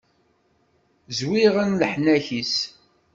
Zwiɣen leḥnak-is.